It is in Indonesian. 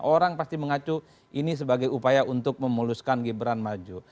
orang pasti mengacu ini sebagai upaya untuk memuluskan gibran maju